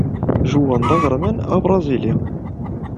Juan d aɣerman abṛazili.